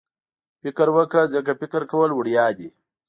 فکر وکړه ځکه فکر کول وړیا دي.